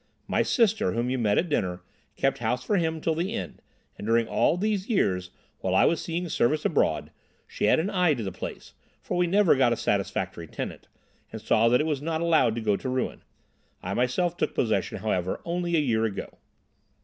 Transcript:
My sister, whom you met at dinner, kept house for him till the end, and during all these years, while I was seeing service abroad, she had an eye to the place—for we never got a satisfactory tenant—and saw that it was not allowed to go to ruin. I myself took possession, however, only a year ago.